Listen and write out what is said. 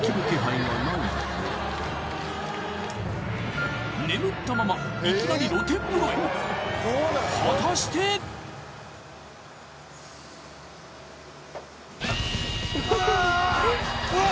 ので眠ったままいきなり露天風呂へ果たしてうわーっうわっ！